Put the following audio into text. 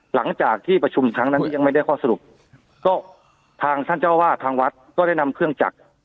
หลังจากที่ประชุมครั้งนั้นที่ยังไม่ได้ข้อสรุปก็ทางท่านเจ้าวาดทางวัดก็ได้นำเครื่องจักร